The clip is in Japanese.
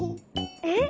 えっ？